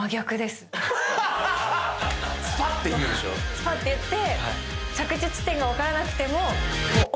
スパッて言って。